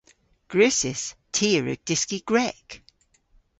Gwrussys. Ty a wrug dyski Grek.